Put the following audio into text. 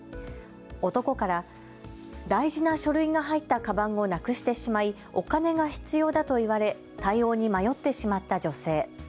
男から、大事な書類が入ったかばんをなくしてしまいお金が必要だと言われ、対応に迷ってしまった女性。